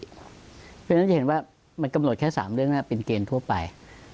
เพราะฉะนั้นจะเห็นว่ามันกำหนดแค่๓เรื่องเป็นเกณฑ์ทั่วไป